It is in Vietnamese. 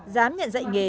dám nhận dạy nghề